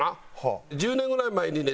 １０年ぐらい前にね